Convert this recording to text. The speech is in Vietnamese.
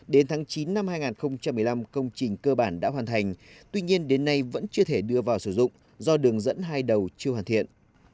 đến tháng chín năm hai nghìn một mươi năm công trình cơ bản đã hoàn thành tuy nhiên đến nay vẫn chưa thể đưa vào sử dụng do đường dẫn hai đầu chưa hoàn thiện